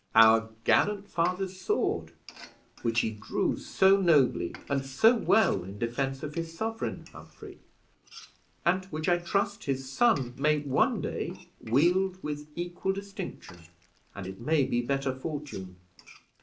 "Our gallant father's sword, which he drew so nobly and so well in defense of his sovereign, Humphrey, and which I trust his son may one day wield with equal distinction, and, it may be, better fortune.